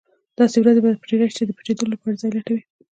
داسې ورځې به پرې راشي چې د پټېدلو لپاره ځای لټوي.